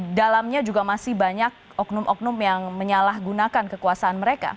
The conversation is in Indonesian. di dalamnya juga masih banyak oknum oknum yang menyalahgunakan kekuasaan mereka